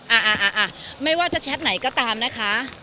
อ่าอ่าไม่ว่าจะแชทไหนก็ตามนะคะ